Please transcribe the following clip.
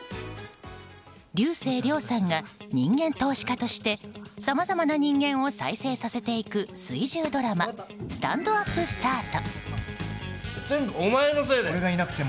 竜星涼さんが人間投資家としてさまざまな人間を再生させていく水１０ドラマ「スタンドＵＰスタート」。